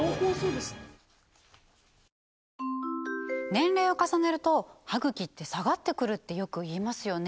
年齢を重ねるとハグキって下がってくるってよく言いますよね？